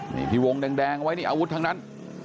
นี่ที่วงแดงไว้นี่อาวุธทั้งนั้น